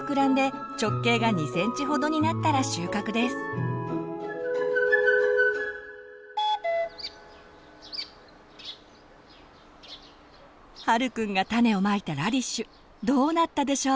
赤く膨らんで陽くんが種をまいたラディッシュどうなったでしょう？